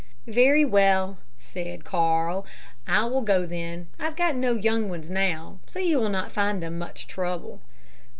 "Very well," said Carl, "I will go then; I've no young ones now, so you will not find them much trouble."